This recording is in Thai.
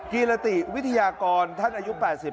กิรติวิทยากรท่านอายุ๘๐